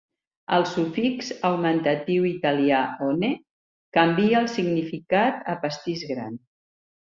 El sufix augmentatiu italià "one" canvia al significat a "pastís gran".